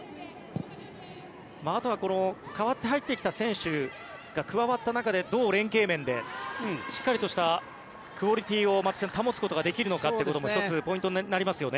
あとは代わって入ってきた選手が加わった中でどう連係面でしっかりとしたクオリティーを保つことができるのかということも１つポイントになりますよね。